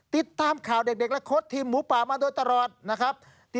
ติดตามข่าวเด็กและโค้ดทีมหมูป่ามาโดยตลอดนะครับ